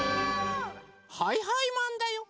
はいはいマンだよ！